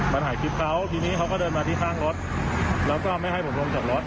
ถ่ายคลิปเขาทีนี้เขาก็เดินมาที่ข้างรถแล้วก็ไม่ให้ผมลงจากรถ